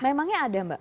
memangnya ada mbak